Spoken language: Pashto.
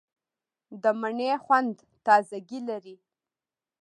د مڼې خوند تازهګۍ لري.